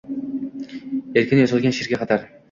erkin yozilgan she’riga qadar